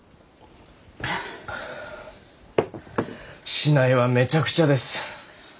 市内はめちゃくちゃです。